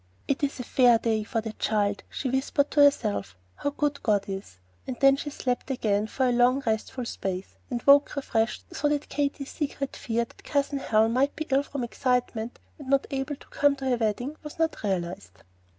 "It is a fair day for the child," she whispered to herself. "How good God is!" Then she slept again for a long, restful space, and woke refreshed, so that Katy's secret fear that Cousin Helen might be ill from excitement, and not able to come to her wedding, was not realized.